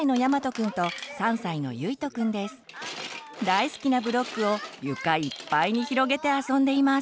大好きなブロックを床いっぱいに広げて遊んでいます。